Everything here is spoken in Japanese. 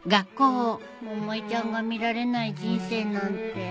百恵ちゃんが見られない人生なんて。